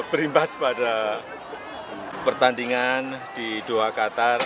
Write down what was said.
berimbas pada pertandingan di doha qatar